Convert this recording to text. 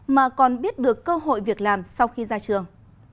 mà còn biết được cơ hội việc làm sau khi ra trường